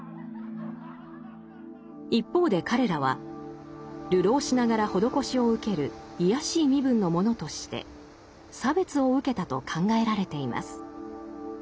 一方で彼らは流浪しながら施しを受ける卑しい身分の者として差別を受けたと考えられています。